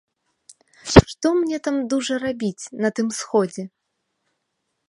Што мне там дужа рабіць, на тым на сходзе?